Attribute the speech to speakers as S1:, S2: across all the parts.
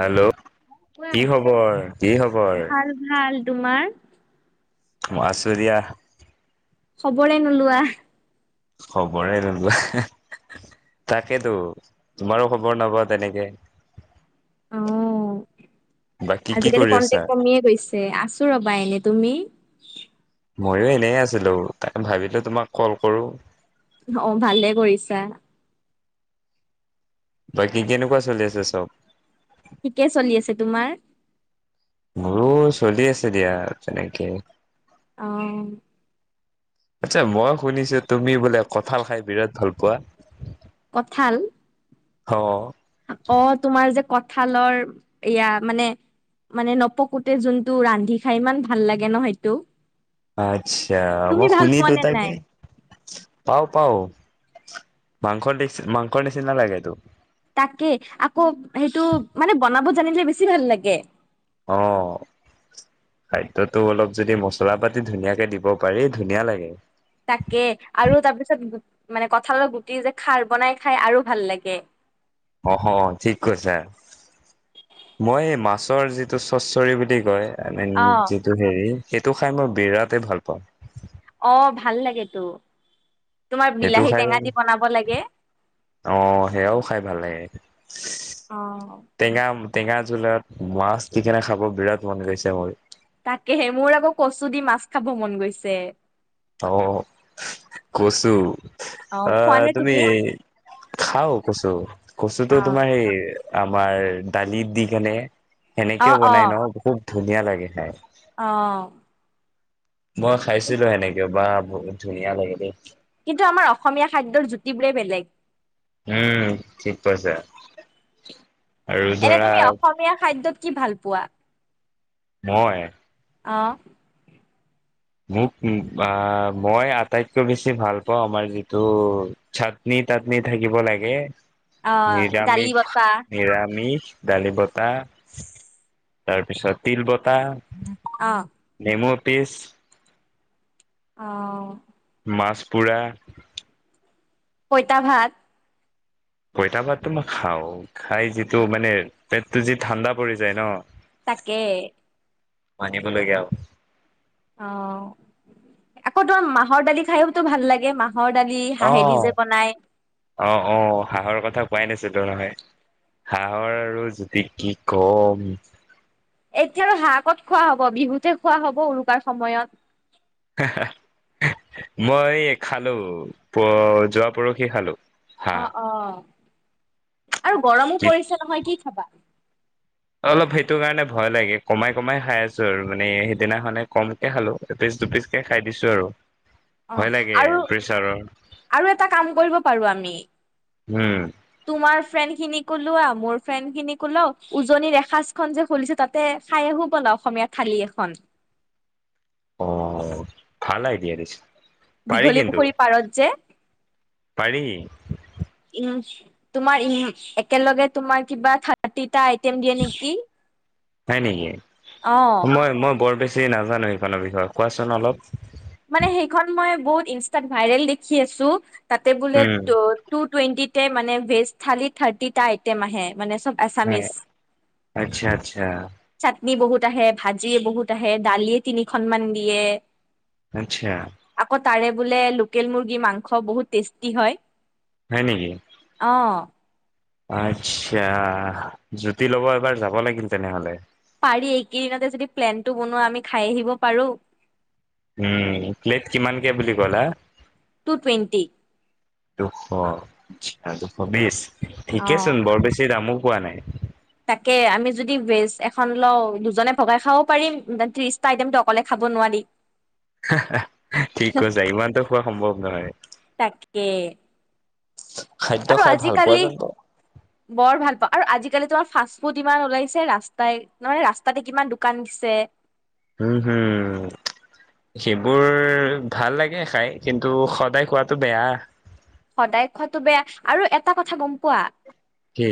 S1: Hello, কি খবৰ? কি খবৰ?
S2: ভাল ভাল তোমাৰ?
S1: মই আছোঁ দিয়া।
S2: খবৰে নোলোৱা।
S1: খবৰে নোলোৱা তাকেইতো, তোমাৰো খবৰ নাপাওঁ তেনেকে।
S2: অ'
S1: বাকী কি
S2: আজিকালি
S1: কৰি আছা
S2: কনটেক কমিয়ে গৈছে, আছোঁ ৰ'বা এনে তুমি?
S1: ময়ো এনেই আছিলোঁ, ভাবিলোঁ তোমাক ক'ল কৰো।
S2: অ', ভালে কৰিছা।
S1: বাকী কেনেকুৱা চলি আছে চব?
S2: ঠিকে চলি আছে, তোমাৰ?
S1: মোৰো চলি আছে দিয়া, তেনেকে।
S2: অ'।
S1: আচছা মই শুনিছোঁ, তুমি বোলে কঁঠাল খাই বিৰাট ভাল পোৱা?
S2: কঁঠাল?
S1: অ'
S2: অ', তোমাৰ যে, কঁঠালৰ এয়া মানে, মানে নপকোতে যোনটো ৰান্ধি খাই ইমান ভাল লাগে ন, সেইটো?
S1: আচ্ছা,
S2: তুমি
S1: মই
S2: ভাল পোৱা
S1: শুনিতো
S2: নে
S1: তাকে,
S2: নাই
S1: পাওঁ, পাওঁ। মাংস টেষ্ট মাংসৰ নিচিনা লাগে তো
S2: তাকে আকৌ সেইটো, মানে বনাব জানিলে বেছি ভাল লাগে।
S1: অ', খাদ্যতো অলপ যদি মছলা পাতি ধুনীয়াকে দিব পাৰি ধুনীয়া লাগে।
S2: তাকে আৰু তাৰ পিছত মানে কঁঠালত গুটি যে খাৰ বনাই খাই আৰু ভাল লাগে।
S1: অহ ঠিক কৈছা টৰ যিটো চ্চছৰী বুলি কয় আমেন
S2: অ
S1: যিটো হেৰি সেইটো খাই মই বিৰাটেই ভাল পাওঁ।
S2: অ', ভাল লাগেটো।
S1: সেইটো খাই অ', সেয়াও খাই ভাল লাগে,
S2: অ
S1: টেঙাম টেঙা জুলত মাছ দি কিনে খাব বিৰাট মন গৈছে মোৰ।
S2: তাকেহে মোৰ আকৌ কচু দি মাছ খাব মন গৈছে।
S1: অ', কচু। অ', তুমি খাওঁ কচু। কচুটো
S2: অ',
S1: তোমাৰ সেই আমাৰ দালিত দি কেনে সেনেকেও বনাই
S2: অ'।
S1: নহ খুব ধুনীয়া লাগে খাই।
S2: অ'।
S1: মই খাইছিলোঁ সেনেকেও বা বহুত ধুনীয়া লাগিল দেই।
S2: কিন্তু আমাৰ অসমীয়া খাদ্যৰ জুতিবোৰেই বেলেগ।
S1: উম, ঠিক কৈছা। আৰু
S2: এনে তুমি
S1: ধৰা
S2: অসমীয়া খাদ্যত কি ভাল পোৱা?
S1: মই
S2: অ'।
S1: মোক আ, মই আটাইতকৈ বেছি ভাল পাওঁ আমাৰ যিটো চাটনি তাটনি থাকিব লাগে।
S2: অ', দালি
S1: নিৰামিষ,
S2: বতা
S1: নিৰামিষ ডালি বতা তাৰপিছত তিল বতা তা
S2: অ',
S1: নেমু তেছ
S2: অ'।
S1: মাছ পুৰা
S2: পইতা ভাত।
S1: পইতা ভাতটো মই খাওঁ খাই যিটো মানে পেটটো যি ঠাণ্ডা পৰি যায় ন'।
S2: তাকে।
S1: মানিব লাগে আও।
S2: অ', আকৌ তোমাৰ মাহঁৰ দালি খাইওটো ভাল লাগে, মাহঁ
S1: অ', অ', অ', হাঁহৰ কথা কোৱাই নাছিলোঁ মানে হাঁহৰ আৰু জুতি কি কম।
S2: এতিয়া আৰু হাঁহ ক'ত খোৱা হ'ব বিহুতে খোৱা হ'ব উৰুকাৰ সময়ত।
S1: হা হা মই খালোঁ প' যোৱা পৰহি খালোঁ।
S2: অ', অ'। আৰু গৰমো
S1: কি
S2: পৰিছে নহয় কি খাবা।
S1: অলপ সেইটো কাৰণে ভয় লাগে কমাই কমাই খাই আছোঁ আৰু মানে সেইদিনাখনে কমকে খালোঁ এপিচ দুপিচ কে খাই দিছো আৰু। ভয়
S2: অ',
S1: লাগে
S2: আৰু
S1: প্ৰেছাৰৰ
S2: আৰু এটা কাম কৰিব পাৰোঁ আমি
S1: উম
S2: তোমাৰ ফ্ৰেড খিনিক ওলোৱা, মোৰ ফ্ৰেণ্ড খিনিক ওলাও উজনিৰ এসাঁজখন যে খুলিছে তাতে খাই আহো ব'লা অসমীয়া থালি এখন।
S1: অ', ভাল আইডিয়া দিছ
S2: দীঘলীপুখুৰীৰ পাৰত যে,
S1: পাৰি
S2: উম। তোমাৰ ই একেলগে তোমাৰ কিবা থাৰ্টি এটা আইটেম দিয়ে নেকি?
S1: হয়
S2: অ',
S1: সেই নাজানো সেইখনৰ বিষয়ে কোৱাচোন অলপ।
S2: মানে সেইখন মই বহুত ইনষ্টা ভাইৰেল দেখি আছো। তাতে বোলে
S1: উম
S2: টু-টুৱেণ্টিত, মানে ভেজ থালি থাৰ্টিটা আইটেম আহে। মানে চব
S1: হয়
S2: আছামিচ।
S1: আচ্ছা আচ্ছা
S2: বহুত আহে ভাজিয়ে বহুত আহে দালিয়ে তিনিখন মান দিয়ে।
S1: আচ্ছা,
S2: আকৌ তাৰে বোলে লোকেল মুৰ্গী মাংস বহুত টেষ্টি হয়।
S1: হয় নেকি?
S2: অ
S1: আচ্ছা, জুতি ল'ব এবাৰ যাব লাগিল তেনেহলে।
S2: পাৰি এইকেইদিনতে যদি প্লেনটো বনোৱা আমি খাই আহিব পাৰো।
S1: উম প্লেট কিমানকে বুলি ক'লা।
S2: টু-টুৱেণ্টি।
S1: দুশ আচ্ছা দুশ বিশছ।
S2: অ
S1: ঠিকেচোন বৰ বেছি দামো পোৱা নাই।
S2: তাকে আমি যদি বেজ এখন লও দুজনে ভগাই খাব পাৰিম ত্ৰিশটা আইটেম অকলে খাব নোৱাৰি।
S1: ঠিক কৈছা ইমানটো খোৱা সম্ভৱ নহয়।
S2: এক
S1: খাদ্য
S2: আৰু
S1: খাই ভাল পোৱা
S2: আজিকালি
S1: যেন পাওঁ।
S2: বৰ ভাল পাওঁ আৰু আজি আজিকালি তোমাৰ ফাষ্ট ফুড ইমান ওলাইছে ৰাস্তাই তে ৰাস্তাতে কিমান দোকান দিছে।
S1: উম হম সেইবোৰ ভাল লাগে খাই কিন্তু সদায় খোৱাতটো বেয়া।
S2: সদায় খোৱাতো বেয়া আৰু এটা কথা গম পোৱা।
S1: কি?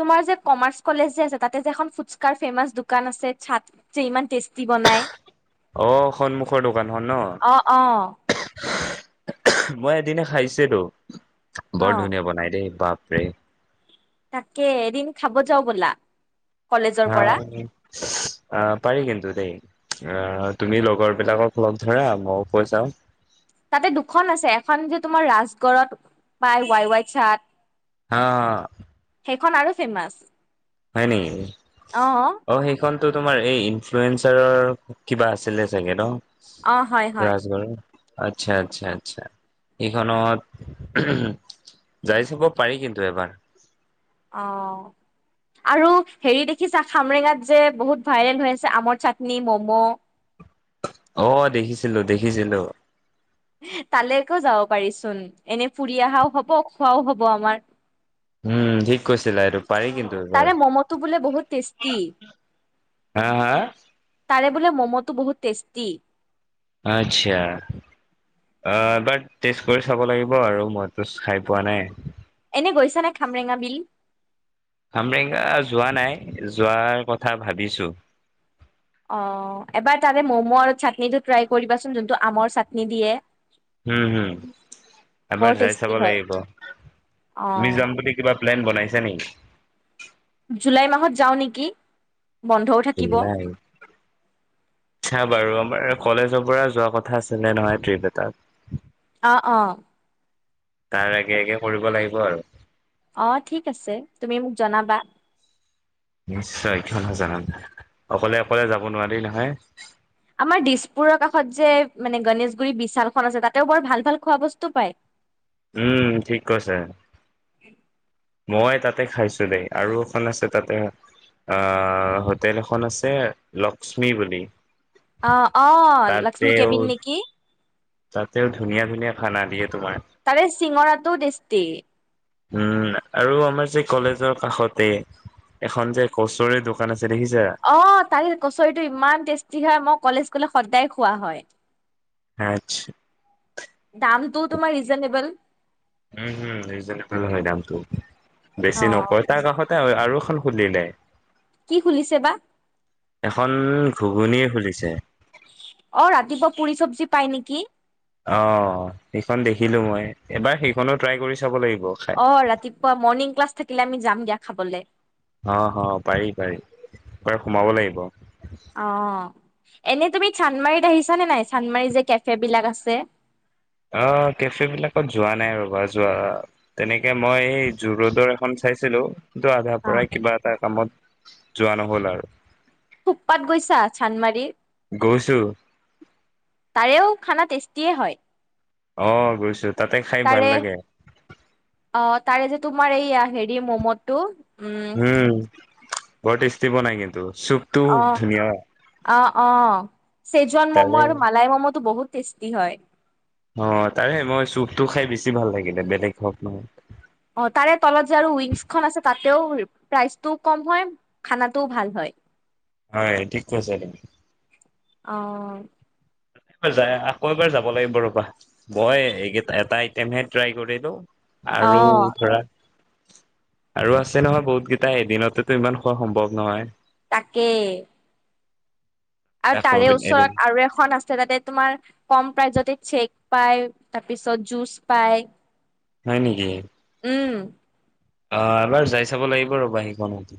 S2: তোমাৰ যে কমাৰ্চ কলেজ যে আছে তাতে যে এখন ফুস্কা ফেমাচ দোকান আছে চাত ইমান টেষ্টি। বনাই
S1: অহ সন্মুখৰ দোকানখন ন।
S2: অ অ
S1: মই এদিনে খাইছিলো।
S2: অ
S1: বৰ ধুনীয়া বনাই দেই বাপ, ৰে।
S2: তাকে এদিন খাব যাও বলা। কলেজৰ
S1: হা
S2: পৰা
S1: পাৰি কিন্তু দেই। আ তুমি লগৰ বিলাকক লগ ধৰা ময়ো কৈ চাও।
S2: তাতে দুখন আছে এখন যে তোমাৰ ৰাজগড়ত পাই ৱাই-ৱাই চাট।
S1: আহ,
S2: সেইখন আৰু ফেমাচ।
S1: হয় নেকি অ সেইখন তটো তোমাৰ এই ইনফ্লয়েজাৰৰ কিবা আছিলে চাগে ন।
S2: অহ' হয়- হয়।
S1: ৰাজগড়ৰ আচ্ছা - আচ্ছা - আচ্ছা এইখনত যাই চাব পাৰি কিন্তু এবাৰ।
S2: অহ' আৰু হেৰি দেখিছা খামৰেঙাত যে বহুত ভাইৰেল হৈ আছে আমৰ চাটনি মম।
S1: অহ ' দেখিছিলো- দেখিছিলো।
S2: তালৈকে যাব পাৰিচোন এনে ফুৰি আহাও হব খোৱাও হব আমাৰ।
S1: উম ঠিক কৈছিলা এইটো। পাৰি কিন্তু এবাৰ
S2: তাৰে মমটো বোলে বহুত টেষ্টষ্টি।
S1: হা হা
S2: তাৰে বোলে মমটো বহুত টেষ্টি।
S1: আচ্ছা অহ ' এবাৰ টেষ্ট কৰি চাব লাগিব আৰু মইতো খাই পোৱা নাই।
S2: এনে গৈছ নে খামৰেঙা বিল?
S1: খামৰেঙা যোৱা নাই যোৱাৰ কথা ভাবিছো।
S2: অহ 'এবাৰ তাৰে মম আৰু চাটনিটো ট্ৰাই কৰিবাচোন যোনটো আমৰ চাটনি দিয়ে।
S1: হম- হম
S2: বৰ
S1: এবাৰ যাই
S2: টেষ্টি
S1: চাব
S2: হয়
S1: লাগিব
S2: অ
S1: তুমি যাম বুলি কিবা প্লেন বনাইছে নেকি?
S2: জুলাই মাহত যাওঁ নেকি? বন্ধও থাকিব
S1: জুলাই চাও বাৰু আমাৰ কলেজৰ পৰা যোৱা কথা আছিলে নহয় ট্ৰিপ এটাত।
S2: অহ- অহ
S1: তাৰ আগে - আগে কৰিব লাগিব আৰু।
S2: অহ ' ঠিক আছে তুমি মোক জনাবা।
S1: নিশ্চয় কিয় নযনাম অকলে -অকলে যাব নোৱাৰি নহয়।
S2: আমাৰ দিছপুৰৰ কাষত যে মানে গণেশগুৰি বিশালখন আছে তাতেও বৰ ভাল- ভাল খোৱা বস্তু পায়।
S1: উম ঠিক কৈছে।
S2: হল [unintelligible]
S1: মই তাতে খাইছো দেই আৰু এখন আছে তাতে আহ' হোটেল এখন আছে লক্ষ্মী বুলি।
S2: অহ - অহ লক্ষ্মী
S1: তাতেও
S2: কেবিন নেকি?
S1: তাতেও ধুনীয়া- ধুনীয়া খানা দিয়ে তোমাৰ।
S2: তাৰে চিঙৰাটো টেষ্টি।
S1: উম আৰু আমাৰ যে কলেজৰ কাষতে এখন যে কচৰি দোকান আছে। দেখিছা?
S2: অহ ' তাৰে কচৰিতটো ইমান টেষ্টি হয় মোক কলেজ গলে সদায় খোৱা হয়।
S1: আচ্ছা
S2: দামটো তোমাৰ ৰিজনেবল
S1: উম হম ৰিজনেবল হয় দামটো।
S2: অ
S1: বেছি নকয় তাৰ কাষতে আৰু আৰু এখন সুলিলে।
S2: কি খুলিছে বা।
S1: এখন ঘুগুনি খুলিছে।
S2: অহ'ৰাতিপুৱা পুৰি চবজি পাই নেকি?
S1: অহ ' সেইখন দেখিলো মই এবাৰ সেইখনো ট্ৰাই কৰি চাব লাগিব। খাই
S2: অহ ' ৰাতিপুৱা মৰ্ণিং ক্লাছ থাকিলে আমি যাম দিয়া। খাবলে।
S1: অহ ' হ পাৰি -পাৰি তাতে সোমাব লাগিব।
S2: অ', এনে তুমি চান্দমাৰীত আহিছা নে নাই? চান্দমাৰী যে কেফে বিলাক আছে।
S1: অ'কেফে বিলাকত যোৱা নাই ৰবা যোৱা তেনেকে মই এই জু-ৰোডৰ এখন চাইছিলো। কিন্তু আধাৰ
S2: অ
S1: পৰাই কিবা এটা কামত যোৱা নহ'ল আৰু।
S2: থুপপাত গৈছা চান্দমাৰিৰ?
S1: গৈছো
S2: তাৰেও খানা টেষ্টি। তিয়ে হয়।
S1: অ' গৈছো তাতে খাই ভাল
S2: তাৰে
S1: লাগে।
S2: অ তাৰে যে তোমাৰ এইয়া হেৰি ম'ম'টো।
S1: উম। বৰ টেস্টি বনাই কিন্তু। চুপটো
S2: অ',
S1: ধুনীয়া
S2: অ'অ'চেজন ম'ম'
S1: তাৰে
S2: আৰু মালাই ম'মটো বহুত। টেষ্টি হয়।
S1: অ', তাৰে মই চুপটো খাই বেছি ভাল লাগিলে বেলেগ হওঁক নহওঁক।
S2: অ'তাৰে তলত যে আৰু উইংছখন আছে তাতেও প্ৰাইচটোও কম হয়, খানাটোও ভাল হয়।
S1: হয় ঠিক কৈছে তুমি।
S2: অ'।
S1: যায় আহা, আকৌ এবাৰ যাব লাগিব ৰবা মই এইকেটা এটা আইটেমহে ট্ৰাই কৰিলো।
S2: অ
S1: আৰু ধৰা, আৰু আছে নহয় বহুত কেইটা এদিনতেতো ইমান খোৱা সম্ভৱ নহয়।
S2: তাকে। আৰু
S1: আকৌ
S2: তাৰে
S1: এদিন
S2: ওচৰত আৰু এখন আছে তাতে তোমাৰ কম প্ৰাইজত তাতে চেক পায় তাৰপিছত জুচ পায়।
S1: হয় নেকি? অ'এবাৰ যাই চাব লাগিব ৰ'বা সেইখনত।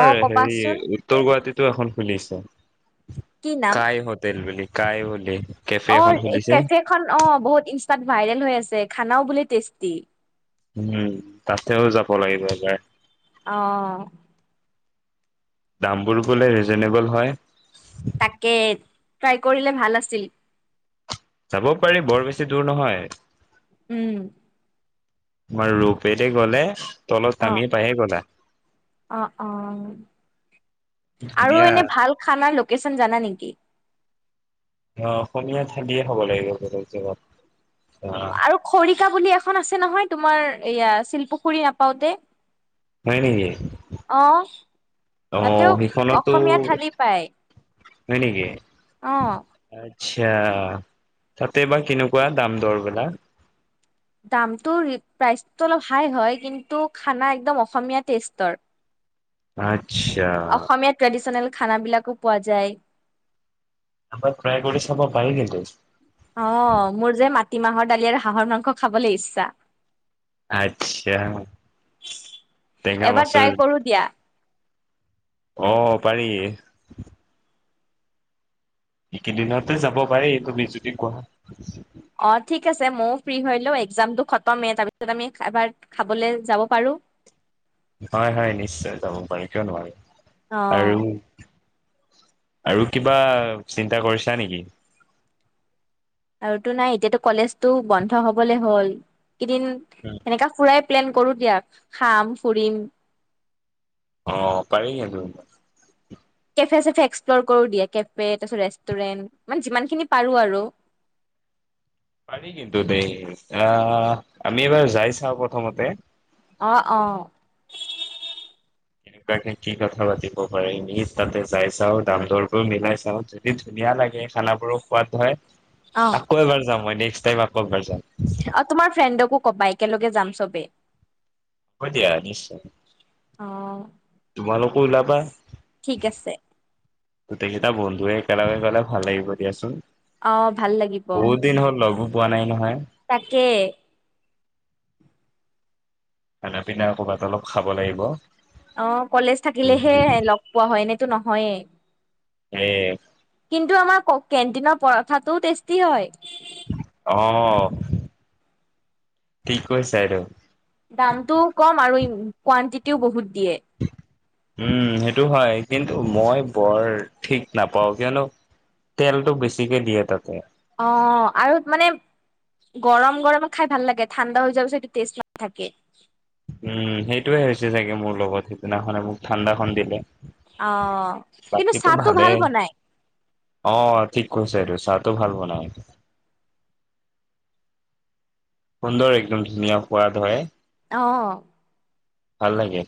S2: অ
S1: হেৰি
S2: কবাচোন
S1: উত্তৰ গুৱাহাটীত টো এখন খুলিছে।
S2: কি
S1: কাই হতেল বুলি। কাই বুলি। কেফে এখন খুলিছে
S2: অ'কেফে খন অ'বহুত ইনষ্টাত ভাইৰেল হৈ আছে খানাও বুলে তেষ্টি।
S1: উম, তাতেও যাব লাগিব এবাৰ।
S2: অ'।
S1: দামবোৰ বোলে ৰিজনেবল হয়।
S2: তাকে, ট্ৰাই কৰিলে ভাল আছিল।
S1: যাব পাৰি বৰ বেছি দূৰ নহয়।
S2: উম্।
S1: তোমাৰ ৰোপৱেদি গ'লে। তলত
S2: অ,
S1: নামি পায়ে গ'লা
S2: অ, অ, আৰু
S1: ধুনীয়া
S2: এনেই ভাল খানা লোক [unintelligible] জানা নেকি
S1: অ' অসমীয়া ঠডিয়ে হব লাগিব বলে জগত।
S2: আৰু খৰিকা বুলি এখন আছে নহয় তোমাৰ এয়া শিলপুখুৰী নাপওঁতে
S1: হয় নেকি
S2: অ'
S1: অ
S2: তাতেও
S1: সেইখনতো
S2: অসমীয়া থালি পায়
S1: হয় নেকি?
S2: অ'
S1: আচ্ছা তাতে বা কেনেকুৱা দাম দৰবিলাক।
S2: দামটো প্ৰাইচটো অলপ হাই হয় কিন্তু খানা একদম অসমীয়া টেষ্টৰ।
S1: হয়।
S2: অসমীয়া ট্ৰেডিচনেল। খানাবিলাকো পোৱা যায়
S1: এবাৰ ট্ৰাই কৰি চাব পাৰি নেকি?
S2: অ' মোৰ যে মাটিমাহৰ দালি আৰু হাঁহৰ মাংস খাবলৈ ইচ্ছা।
S1: আচ্ছা টেঙা
S2: এবাৰ
S1: মাছৰ
S2: ট্ৰাই
S1: জোল
S2: কৰো দিয়া
S1: অ 'পাৰি এইকেইদিনতে যাব পাৰি এই তুমি যদি কোৱা।
S2: অ' ঠিক আছে ময়ো ফ্ৰ্ৰী হলো এক্জামটো খতমেই তাৰপিছত আমি এবাৰ খাবলৈ যাব পাৰো
S1: হয়- হয় নিশ্চয় যাব পাৰি কিয় নো ভি
S2: অ'
S1: আৰু কিবা চিন্তা কৰিছা নেকি?
S2: আৰুতো নাই এতিয়াতো কলেজটো বন্ধ হবলে হ'ল। কেইদিন এনেকা ফুৰাই। প্লেন কৰো দিয়াক খাম ফুৰিম।
S1: অ' পাৰি ত
S2: কেফে- চেফে এক্সপ্লৰ কৰো দিয়া কেফে তাৰপিছত ৰেষ্টুৰেন্ট মানে যিমানখিনি পাৰো আৰু
S1: পাৰি কিন্তু দেই আহ আমি এবাৰ যাই চাওঁ প্ৰথমতে।
S2: অ -অ
S1: এনেকুৱাকে কি কথা পাতিব পাৰে এনে তাতে যাই চাওঁ দাম দৰবোৰ মিলাই চাওঁ যদি ধুনীয়া লাগে খানাবোৰো সোৱাদ হয়।
S2: অ
S1: আকৌ এবাৰ যাম মই নেক্স টাইম
S2: অ তোমাৰ ফ্ৰেণ্ডকো কবা একেলগে যাম চবেই।
S1: হব দিয় নিশ্চয় তোমালোক। আকৌ ওলাবা
S2: ঠিক আছে।
S1: গোটেইকেইটাাৰ বন্ধুৱে একেলগে গলে ভাল লাগিব দিয়াচোন।
S2: অ ভাল লাগিব
S1: বহুত দিন হ'ল লগো পোৱা নাই নহয়।
S2: তাকে।
S1: খানা পিনা কৰ'বাত অলপ খাব লাগিব।
S2: অঁ কলেজ থাকিলেহে লগ পোৱা হয় এনেইতো নহয় নহয়েই
S1: এ
S2: কিন্তু আমাৰ কওক কেণ্টিনৰ পৰঠাটোও টেষ্টি হয়
S1: অ' ঠিক কৈছা এইটো
S2: দামটোও কম আৰু ই কোৱানটিটিও বহুত দিয়ে
S1: উম সেইটো হয় কিন্তু মই বৰ ঠিক নাপাও কিয়নো তেলটো বেছিকে দিয়ে তাতে
S2: অ' আৰু মানে গৰম গৰম খাই ভাল লাগে ঠাণ্ডা হৈ যোৱাৰ পিছত সেইটো টেষ্ট নাথাকে
S1: উম সেইটোয়ে হৈছে চাগে মোৰ লগত সিদিনাখনে মোক ঠাণ্ডাখন দিলে
S2: অ কিন্তু
S1: বাকীতো
S2: চাহটো ভাল
S1: ভালেই
S2: বনাই
S1: অ' ঠিক কৈছা এইটো চাও ভাল বনাই সুন্দৰ একদম ধুনীয়া সোৱাদ হয়
S2: অঁ
S1: ভাল লাগে